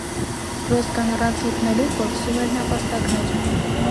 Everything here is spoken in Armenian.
Ռոզկան առանց հոգնելու որսում էր նապաստակներ։